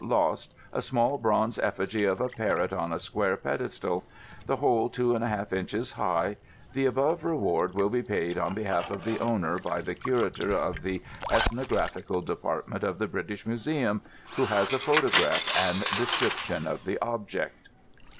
—Lost: a small bronze effigy of a parrot on a square pedestal; the whole two and a half inches high. The above Reward will be paid on behalf of the owner by the Curator of the Ethnographical Department of the British Museum, who has a photograph and description of the object."